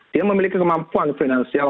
dia memiliki kemampuan finansial